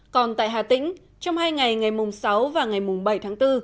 còn tại hà tĩnh trong hai ngày ngày mùng sáu và ngày mùng bảy tháng bốn